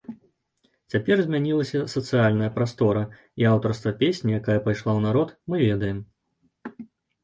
Цяпер змянілася сацыяльная прастора, і аўтарства песні, якая пайшла ў народ, мы ведаем.